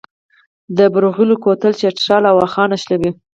د بروغیل کوتل چترال او واخان نښلوي